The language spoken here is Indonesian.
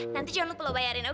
nanti jangan lupa lu bayarin oke